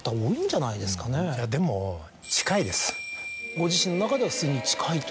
ご自身の中では素に近いと？